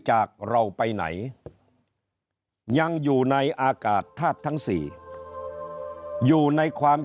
จากเราไปไหนยังอยู่ในอากาศธาตุทั้ง๔อยู่ในความ